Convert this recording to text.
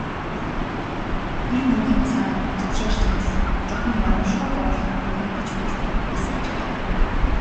Энэ үгийн цаана зөвшөөрсөн эсэх, чухам ямар шүү бодол хадгалагдаж байсныг эс ажиглав.